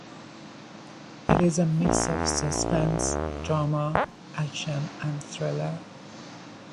It is a mix of suspense, drama, action and thriller.